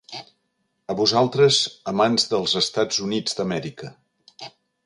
A vosaltres, amants dels Estats Units d'Amèrica.